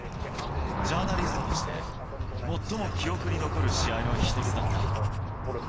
ジャーナリストとして、最も記憶に残る試合の一つだった。